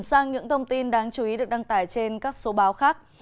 sang những thông tin đáng chú ý được đăng tải trên các số báo khác